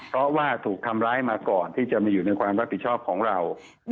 เพราะว่าถูกทำร้ายมาก่อนที่จะมาอยู่ในความรับผิดชอบของเรา